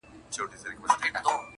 خو د عقل او د زور يې لاپي كړلې،